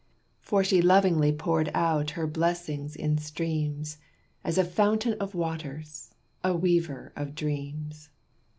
For she lovingly poured out her blessings in streams As a fountain of waters a weaver of dreams.